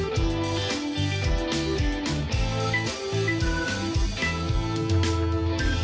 สวัสดีครับ